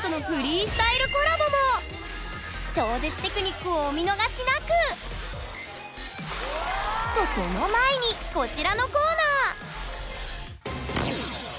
超絶テクニックをお見逃しなく！とその前にこちらのコーナー！